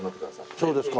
そうですか。